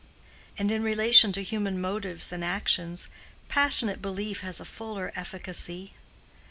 And in relation to human motives and actions, passionate belief has a fuller efficacy.